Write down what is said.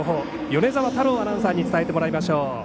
米澤太郎アナウンサーに伝えてもらいましょう。